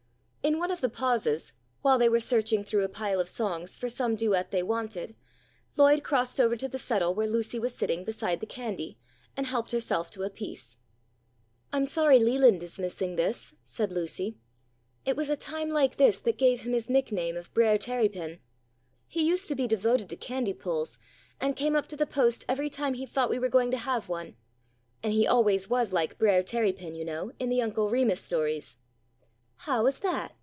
In one of the pauses, while they were searching through a pile of songs for some duet they wanted, Lloyd crossed over to the settle where Lucy was sitting beside the candy, and helped herself to a piece. "I'm sorry Leland is missing this," said Lucy. "It was a time like this that gave him his nickname of 'Brer Tarrypin.' He used to be devoted to candy pulls, and came up to the Post every time he thought we were going to have one; and he always was like Brer Tarrypin, you know, in the Uncle Remus stories." "How is that?"